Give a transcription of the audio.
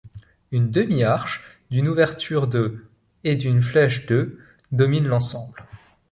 Une demi-arche, d’une ouverture de et d’une flèche de domine l’ensemble.